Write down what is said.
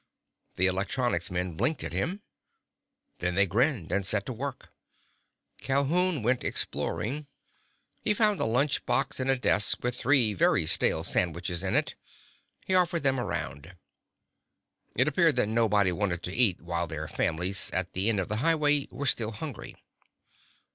The electronics men blinked at him. Then they grinned and set to work. Calhoun went exploring. He found a lunch box in a desk with three very stale sandwiches in it. He offered them around. It appeared that nobody wanted to eat while their families—at the end of the highway—were still hungry.